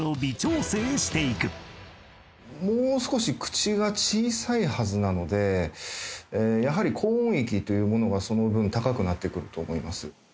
もう少し口が小さいはずなのでやはり高音域というものがその分高くなってくると思います。